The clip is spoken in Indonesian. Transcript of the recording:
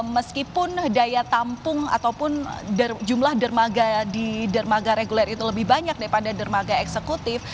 meskipun daya tampung ataupun jumlah dermaga di dermaga reguler itu lebih banyak daripada dermaga eksekutif